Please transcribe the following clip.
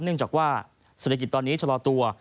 เนื่องจากว่าเศรษฐกิจตอนนี้ชะลอตัว